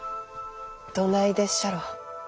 どないでっしゃろ？